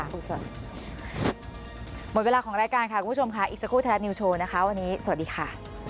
หมดเวลาของรายการค่ะคุณผู้ชมค่ะอีกสักครู่ไทยรัฐนิวโชว์นะคะวันนี้สวัสดีค่ะ